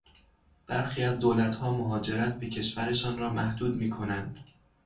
برخی از دولتها مهاجرت به کشورشان را محدود میکنند.